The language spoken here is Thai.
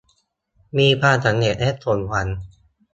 มีความสำเร็จและสมหวัง